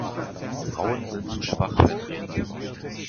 Frauen sind zu schwach vertreten.